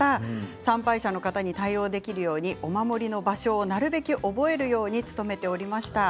参拝者の方に対応できるようにお守りの場所を覚えるように努めておりました。